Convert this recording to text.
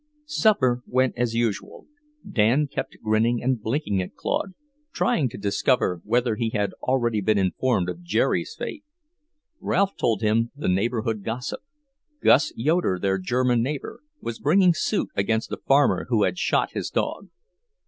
Supper went as usual. Dan kept grinning and blinking at Claude, trying to discover whether he had already been informed of Jerry's fate. Ralph told him the neighbourhood gossip: Gus Yoeder, their German neighbour, was bringing suit against a farmer who had shot his dog.